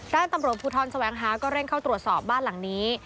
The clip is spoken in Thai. ด้านตำรวจภูทรแสวงหาก็เร่งเข้าตรวจสอบบ้านหลังนี้